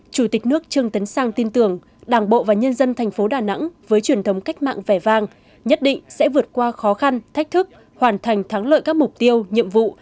chủ tịch nước trương tấn sang tin tưởng đảng bộ và nhân dân thành phố đà nẵng với truyền thống cách mạng vẻ vang nhất định sẽ vượt qua khó khăn thách thức hoàn thành thắng lợi các mục tiêu nhiệm vụ